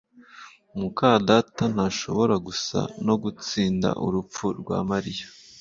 muka data ntashobora gusa no gutsinda urupfu rwa Mariya